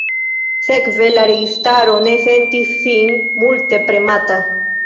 Sekve la registaro ne sentis sin multe premata.